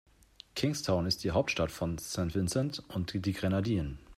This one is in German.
Kingstown ist die Hauptstadt von St. Vincent und die Grenadinen.